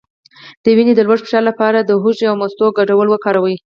د وینې د لوړ فشار لپاره د هوږې او مستو ګډول وکاروئ